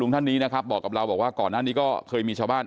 ท่านนี้นะครับบอกกับเราบอกว่าก่อนหน้านี้ก็เคยมีชาวบ้าน